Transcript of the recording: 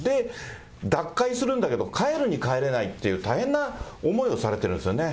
脱会するんだけど、帰るに帰れないっていう、大変な思いをされているんですよね。